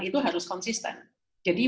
itu harus konsisten jadi